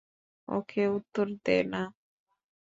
ওকে উত্তর দে না!